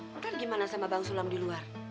lo kan gimana sama bang sulam di luar